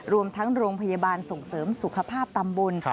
รวมทั้งโรงพยาบาลส่งเสริมสุขภาพตำบล